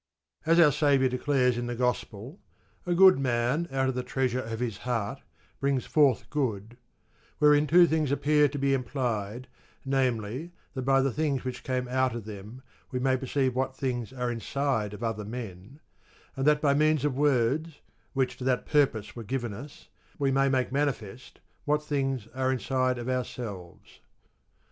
As our Saviour declares in the Gospel, "A good man, out of the treasure of his heart, brings forth good"; wherein two things appear to be implied, namely that by the things which came out of them we may perceive what things are inside of other men, and that by means of words (which to that purpose were given us) we may make manifest what things are inside of our selves.